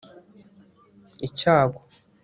icyago